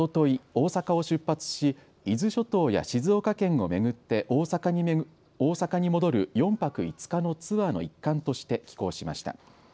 大阪を出発し伊豆諸島や静岡県を巡って大阪に戻る４泊５日のツアーの一環として寄港しました。